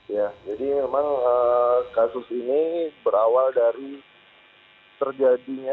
ya jadi memang kasus ini berawal dari terjadinya